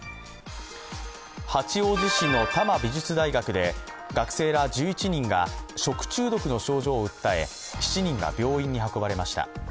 八王子市の多摩美術大学で学生ら１１人が食中毒の症状を訴え７人が病院に運ばれました。